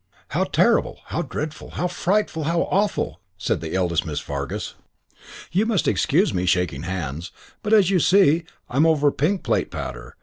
"How terrible, how dreadful, how frightful, how awful," said the eldest Miss Fargus. "You must excuse me shaking hands, but as you see I am over pink plate powder.